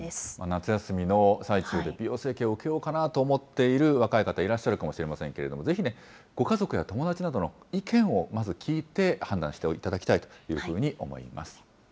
夏休みの最中で、美容整形を受けようかなと思ってらっしゃる若い方いらっしゃるかもしれませんけれども、ぜひね、ご家族や友達などの意見をまず聞いて、判断していただきたいというふうに思います。